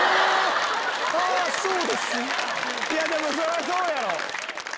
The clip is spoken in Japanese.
⁉でもそりゃそうやろ。